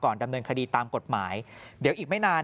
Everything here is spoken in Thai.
ดำเนินคดีตามกฎหมายเดี๋ยวอีกไม่นาน